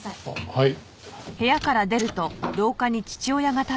はい。